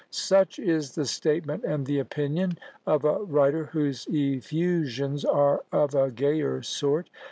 Such is the statement and the opinion of a writer whose effusions are of a gayer sort.